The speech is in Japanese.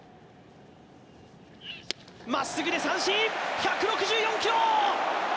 まっすぐで三振、１６４キロ！